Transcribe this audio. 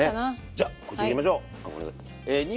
じゃこちらいきましょう。